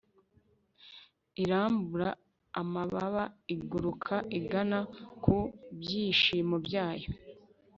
irambura amababa iguruka igana ku byishimo byayo